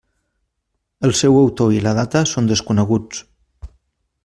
El seu autor i la data són desconeguts.